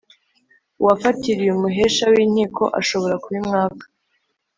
uwafatiriye umuhesha w inkiko ashobora kubimwaka